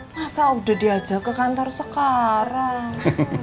masa udah diajak ke kantor sekarang